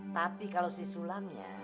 tapi kalo si sulamnya